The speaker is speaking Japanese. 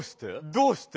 どうして？